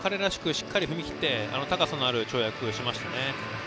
しっかり踏み切って高さのある跳躍をしました。